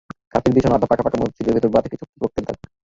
Carpet বিছানো আধা-পাকা মসজিদের ভেতরে বাঁ দিকে ছোপ ছোপ রক্তের দাগ।